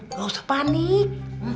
tidak usah panik